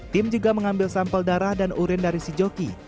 tim juga mengambil sampel darah dan urin dari si joki